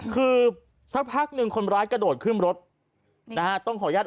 คือสักพักหนึ่งคนร้ายกระโดดขึ้นรถนะฮะต้องขออนุญาต